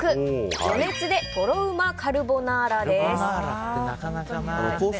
余熱でとろウマカルボナーラです。